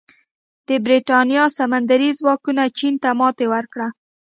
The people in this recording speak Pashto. د برېټانیا سمندري ځواکونو چین ته ماتې ورکړه.